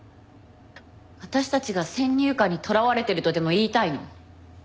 私たちが先入観にとらわれてるとでも言いたいの？